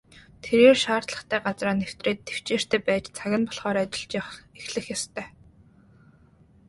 Тэрээр шаардлагатай газраа нэвтрээд тэвчээртэй байж цаг нь болохоор ажиллаж эхлэх ёстой.